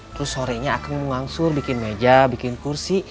terus sore nya akan mengangsur bikin meja bikin kursi